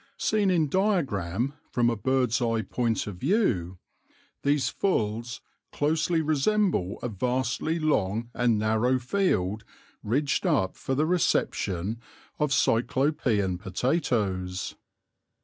Seen in diagram, from a bird's eye point of view, these "fulls" closely resemble a vastly long and narrow field ridged up for the reception of Cyclopean potatoes.